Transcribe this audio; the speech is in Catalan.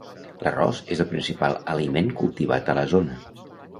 L'arròs és el principal aliment cultivat a la zona.